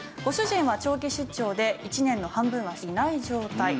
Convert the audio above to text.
ご主人は長期出張で１年の半分はいない状態。